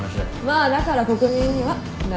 まあだから国民には内緒。